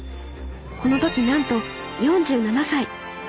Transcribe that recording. この時なんと４７歳。